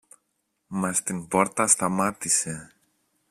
Μα στην πόρτα σταμάτησε.